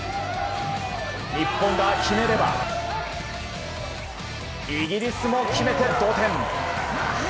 日本が決めれば、イギリスも決めて同点。